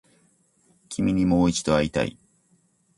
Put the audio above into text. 君にもう一度会いたい